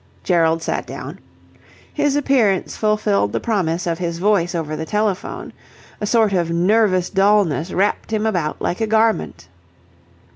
Gerald sat down. His appearance fulfilled the promise of his voice over the telephone. A sort of nervous dullness wrapped him about like a garment.